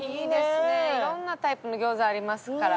いろんなタイプの餃子がありますから。